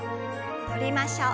戻りましょう。